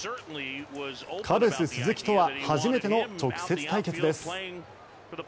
カブス、鈴木とは初めての直接対決です。